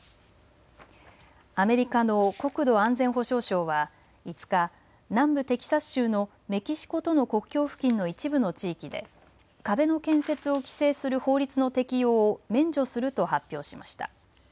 アメリカの国土安全保障省は５日、南部テキサス州のメキシコとの国境付近の一部の地域で壁の建設を規制する法律の適用を免除すると発表しました。